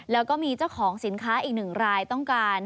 แล้วก็มีเจ้าของสินค้าอีกหนึ่งรายต้องการ